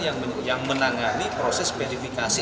yang menangani proses verifikasi